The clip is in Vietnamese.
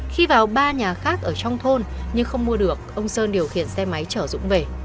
khi vào ba nhà khác ở trong thôn nhưng không mua được ông sơn điều khiển xe máy chở dũng về